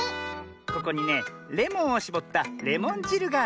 ここにねレモンをしぼったレモンじるがある。